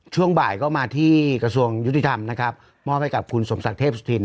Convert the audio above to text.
ช่วงบ่ายก็มาที่กระทรวงยุติธรรมนะครับมอบให้กับคุณสมศักดิ์เทพสุธิน